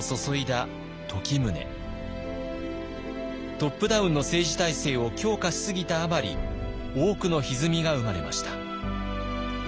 トップダウンの政治体制を強化しすぎたあまり多くのひずみが生まれました。